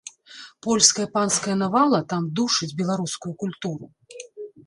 Польская панская навала там душыць беларускую культуру.